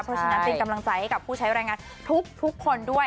เพราะฉะนั้นเป็นกำลังใจให้กับผู้ใช้แรงงานทุกคนด้วย